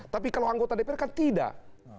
tapi kalau anggota dpr kan tidak